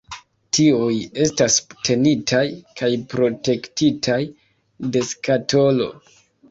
Tiuj estas subtenitaj kaj protektitaj de skatolo.